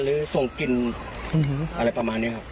หรือส่งกินอะไรประมาณนี้ครับ